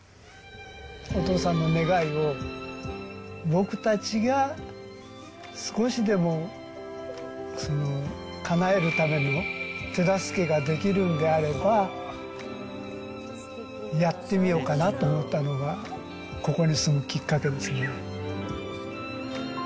お父さんの願いを、僕たちが少しでもかなえるために、手助けができるんであれば、やってみようかなと思ったのが、ここに住むきっかけですね。